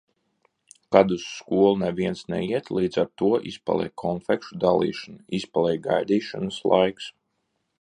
Kad uz skolu neviens neiet, līdz ar to izpaliek konfekšu dalīšana, izpaliek gaidīšanas laiks.